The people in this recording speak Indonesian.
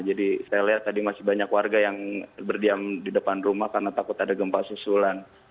saya lihat tadi masih banyak warga yang berdiam di depan rumah karena takut ada gempa susulan